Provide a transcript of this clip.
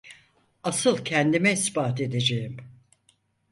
Asıl kendime ispat edececeğim…